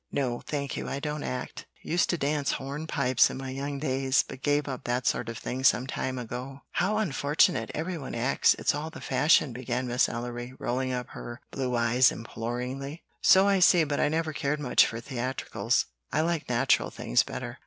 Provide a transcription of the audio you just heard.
"No, thank you, I don't act. Used to dance hornpipes in my young days, but gave up that sort of thing some time ago." "How unfortunate! Every one acts; it's all the fashion," began Miss Ellery, rolling up her blue eyes imploringly. "So I see; but I never cared much for theatricals, I like natural things better."